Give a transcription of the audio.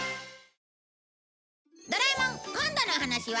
『ドラえもん』今度のお話は